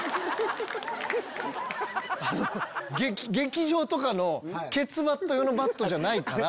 劇場とかのケツバット用のバットじゃないから。